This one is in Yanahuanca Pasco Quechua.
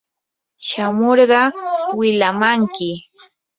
shamurqa wilamanki.